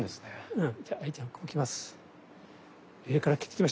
うん。